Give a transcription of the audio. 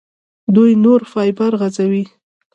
دوی نوري فایبر غځوي.